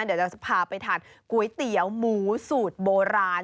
เดี๋ยวจะพาไปทานก๋วยเตี๋ยวหมูสูตรโบราณ